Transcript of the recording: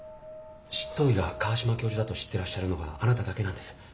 執刀医が川島教授だと知ってらっしゃるのはあなただけなんです。